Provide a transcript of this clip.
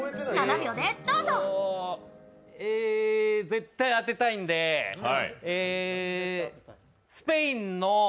絶対当てたいんで、スペインの人。